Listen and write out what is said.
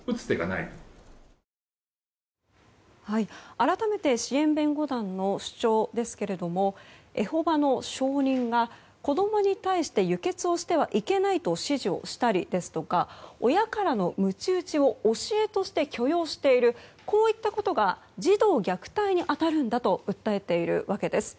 改めて支援弁護団の主張ですけどもエホバの証人が、子供に対して輸血をしてはいけないと指示をしたりですとか親からの鞭打ちを教えとして許容しているこういったことが児童虐待に当たるんだと訴えているわけです。